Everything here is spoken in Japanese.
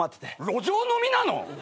路上飲みなの！？